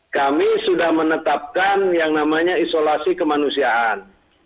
kami sudah menetapkan yang namanya isolasi kemanusiaan